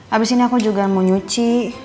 abis ini aku juga mau nyuci